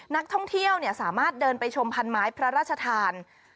นักท่องเที่ยวสามารถเดินไปชมพันไม้พระราชทาน